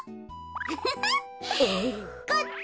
フフフ。こっち！